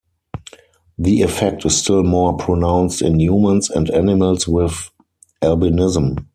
The effect is still more pronounced in humans and animals with albinism.